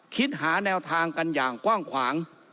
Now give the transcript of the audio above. คิดหาแนวทางกันอย่างกว้างขวาง